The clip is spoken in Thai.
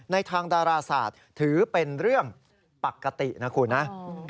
ทางดาราศาสตร์ถือเป็นเรื่องปกตินะคุณนะ